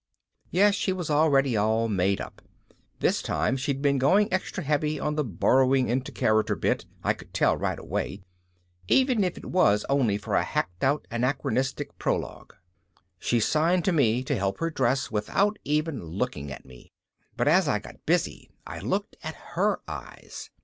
Yes, she was already all made up. This time she'd been going extra heavy on the burrowing into character bit, I could tell right away, even if it was only for a hacked out anachronistic prologue. She signed to me to help her dress without even looking at me, but as I got busy I looked at her eyes.